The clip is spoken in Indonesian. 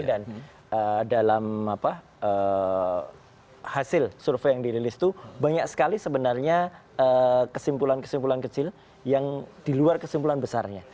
dan dalam hasil survei yang dirilis itu banyak sekali sebenarnya kesimpulan kesimpulan kecil yang diluar kesimpulan besarnya